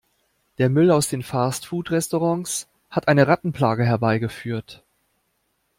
Der Müll aus den Fast-Food-Restaurants hat eine Rattenplage herbeigeführt.